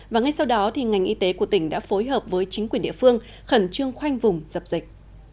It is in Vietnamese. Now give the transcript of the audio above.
và ngay sau đó ngành y tế của tỉnh đã phối hợp với chính quyền địa phương khẩn trương khoanh vùng dập dịch